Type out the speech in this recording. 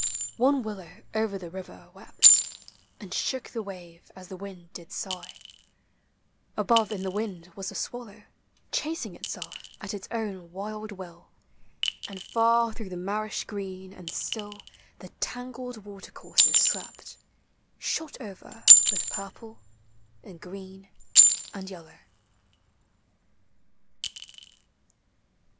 One willow over the river wept, And shook the wave as the wind did sigh ; Above in the wind was the swallow, Chasing itself at its own wild will, And far thro' the niarisli green and Btill The tangled watercourses slept, Shot over with purple, and green, and yellow in.